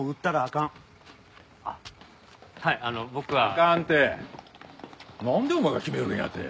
「あかん」ってなんでお前が決めるんやて。